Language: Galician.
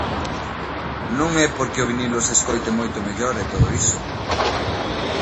Non é porque o vinilo se escoite moito mellor e todo iso.